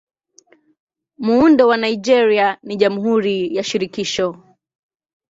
Muundo wa Nigeria ni Jamhuri ya Shirikisho.